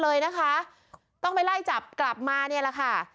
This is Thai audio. เลยนะคะต้องไปไล่จับกลับมาเนี่ยแหละค่ะ